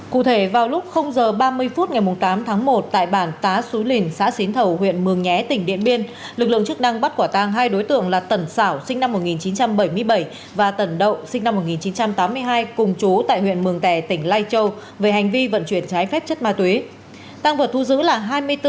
cụ thể vào lúc h ba mươi phút ngày tám tháng một tại bản tá xú lìn xã xín thầu huyện mường nhé tỉnh điện biên lực lượng chức năng bắt quả tang hai đối tượng là tẩn xảo sinh năm một nghìn chín trăm bảy mươi bảy và tần đậu sinh năm một nghìn chín trăm tám mươi hai cùng chú tại huyện mường tè tỉnh lai châu về hành vi vận chuyển trái phép chất ma túy